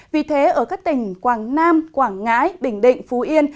vì thế ở các tỉnh quảng nam quảng ngãi bình định phú yên